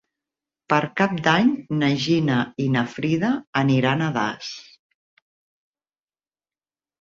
Per Cap d'Any na Gina i na Frida aniran a Das.